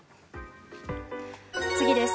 次です。